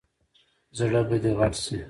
زړه به دې غټ شي !